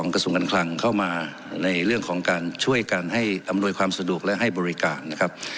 กระทรวงการคลังเข้ามาในเรื่องของการช่วยกันให้อำนวยความสะดวกและให้บริการนะครับ